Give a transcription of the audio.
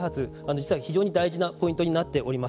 実は非常に大事なポイントになっております。